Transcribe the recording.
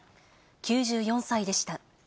９４歳でした。